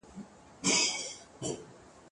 زه به سبا قلم استعمالوموم وم!.